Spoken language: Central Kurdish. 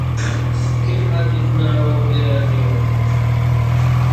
کێ عەزیز ناوە و ئێرانییە؟